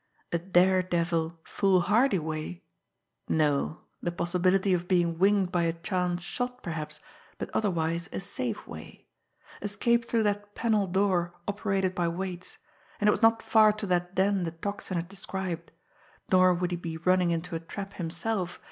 a daredevil, foolhardy way? ... no, the possibility of being winged by a chance shot, perhaps, but otherwise a safe way ... escape through that panel door operated by weights ... and it was not far to that den the Tocsin had described ... nor would he be running into a trap himself